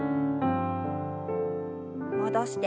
戻して。